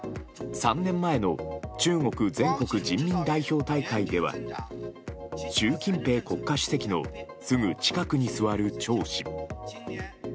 ３年前の中国全国人民代表大会では習近平国家主席のすぐ近くに座るチョウ氏。